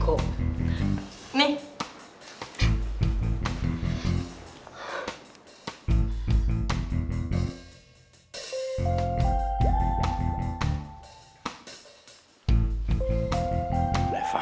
kau mau kemana